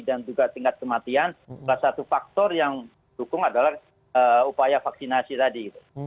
dan juga tingkat kematian salah satu faktor yang dukung adalah upaya vaksinasi tadi